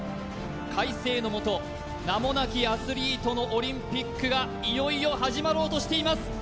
快晴のもと名もなきアスリートのオリンピックがいよいよ始まろうとしています